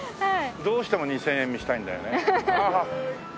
どうしても２０００円見せたいんだよね。